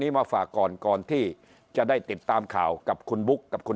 มาฝากก่อนก่อนที่จะได้ติดตามข่าวกับคุณบุ๊คกับคุณ